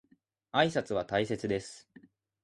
挨拶は大切です。